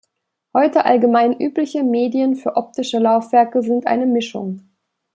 Heute allgemein übliche Medien für optische Laufwerke sind eine Mischung.